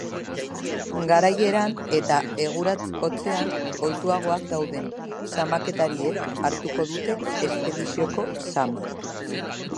Garaieran eta egurats hotzean ohituagoak dauden zamaketariek hartuko dute espedizioko zama.